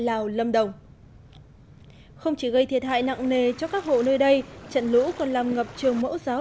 lào lâm đồng không chỉ gây thiệt hại nặng nề cho các hộ nơi đây trận lũ còn làm ngập trường mẫu giáo